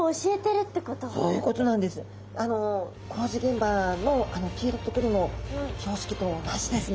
工事現場のあの黄色と黒の標識と同じですね。